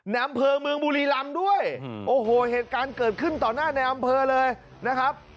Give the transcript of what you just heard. อำเภอเมืองบุรีรำด้วยโอ้โหเหตุการณ์เกิดขึ้นต่อหน้าในอำเภอเลยนะครับ